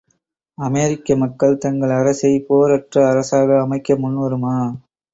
அமெரிக்க மக்கள் தங்கள் அரசைப் போர் அற்ற அரசாக அமைக்க முன்வருமா?